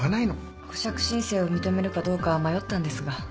保釈申請を認めるかどうか迷ったんですが。